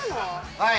はい。